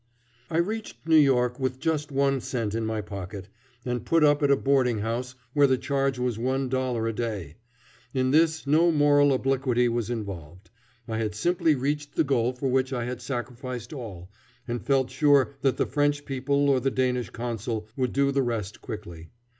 I reached New York with just one cent in my pocket, and put up at a boarding house where the charge was one dollar a day. In this no moral obliquity was involved. I had simply reached the goal for which I had sacrificed all, and felt sure that the French people or the Danish Consul would do the rest quickly.